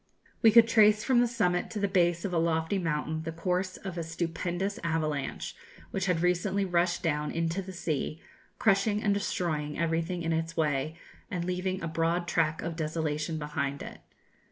We could trace from the summit to the base of a lofty mountain the course of a stupendous avalanche, which had recently rushed down into the sea, crushing and destroying everything in its way, and leaving a broad track of desolation behind it.